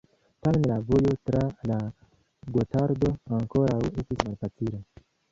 Tamen la vojo tra la Gotardo ankoraŭ estis malfacila.